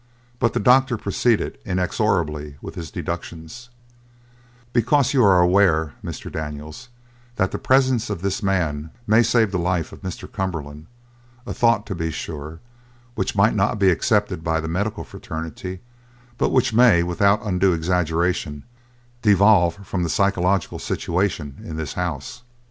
But the doctor proceeded inexorably with his deductions: "Because you are aware, Mr. Daniels, that the presence of this man may save the life of Mr. Cumberland, a thought, to be sure, which might not be accepted by the medical fraternity, but which may without undue exaggeration devolve from the psychological situation in this house."